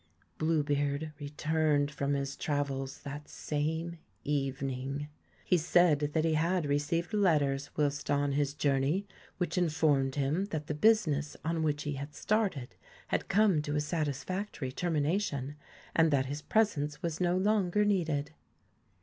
Blue beard returned from his travels that same evening. He said that he had received letters whilst on his journey which informed him that the business on which he had started had come to a satisfactory termination, and that his presence was no longer needed.